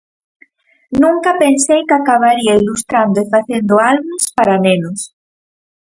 Nunca pensei que acabaría ilustrando e facendo álbums para nenos.